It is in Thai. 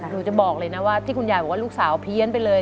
หนูจะบอกเลยนะว่าที่คุณยายบอกว่าลูกสาวเพี้ยนไปเลย